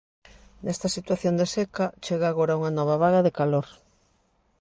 Nesta situación de seca, chega agora unha nova vaga de calor.